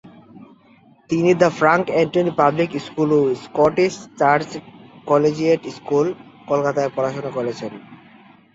তিনি the Frank Anthony public school ও Scottish church collegiate school, কলকাতা-এ পড়াশোনা করেছেন।